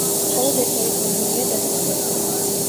მხოლოდ ეს ორი კუნძულია დასახლებული.